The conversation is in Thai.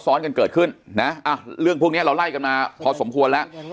ซ้อนกันเกิดขึ้นนะเรื่องพวกนี้เราไล่กันมาพอสมควรแล้ว